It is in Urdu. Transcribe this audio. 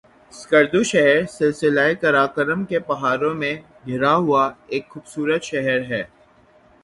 سکردو شہر سلسلہ قراقرم کے پہاڑوں میں گھرا ہوا ایک خوبصورت شہر ہے